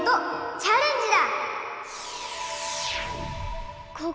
チャレンジだ！